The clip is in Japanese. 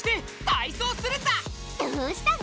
どうしたの？